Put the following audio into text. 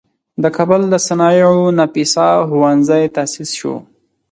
د کابل د صنایعو نفیسه ښوونځی تاسیس شو.